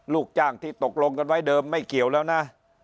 ลูกจ้างที่ตกลงกันไว้เดิมไม่เกี่ยวแล้วนะ